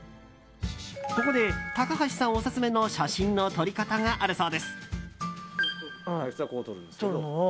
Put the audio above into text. ここで、高橋さんオススメの写真の撮り方があるそうです。